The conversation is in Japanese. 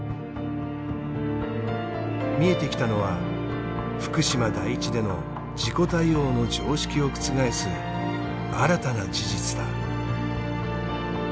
見えてきたのは福島第一での事故対応の常識を覆す新たな事実だ。